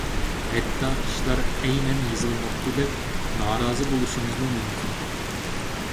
ھەتتا ئىشلار ئەينەن يېزىلماپتۇ دەپ نارازى بولۇشىڭىزمۇ مۇمكىن.